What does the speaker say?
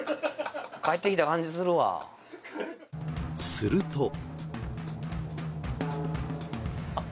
するとあっ